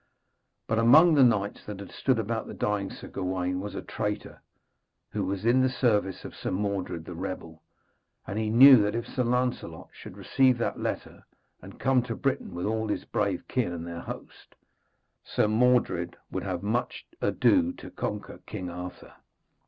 But, among the knights that had stood about the dying Sir Gawaine, was a traitor, who was in the service of Sir Mordred the rebel, and he knew that if Sir Lancelot should receive that letter, and come to Britain with all his brave kin and their host, Sir Mordred would have much ado to conquer King Arthur.